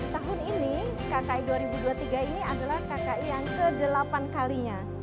tahun ini kki dua ribu dua puluh tiga ini adalah kki yang ke delapan kalinya